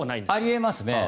あり得ますね。